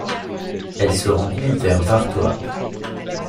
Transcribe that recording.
Elle se rencontre vers Vârtoape.